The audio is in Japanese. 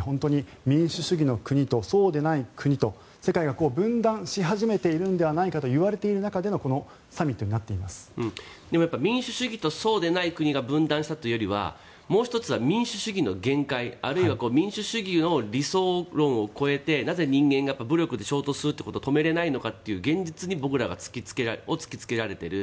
本当に、民主主義の国とそうでない国と世界が分断し始めているんではないかと言われている中での民主主義とそうでない国が分断したというよりはもう１つは民主主義の限界あるいは民主主義の理想論を超えてなぜ人間が武力で衝突するということを止められないのかって現実を僕らが突きつけられている。